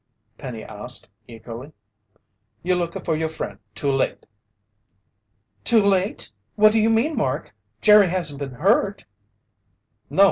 Penny asked eagerly. "You looka for your friend too late!" "Too late? What do you mean, Mark? Jerry hasn't been hurt?" "No!